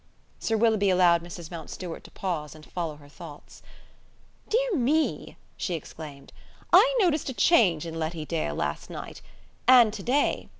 Sir Willoughby allowed Mrs. Mountstuart to pause and follow her thoughts. "Dear me!" she exclaimed. "I noticed a change in Letty Dale last night; and to day.